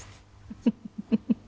フフフフ！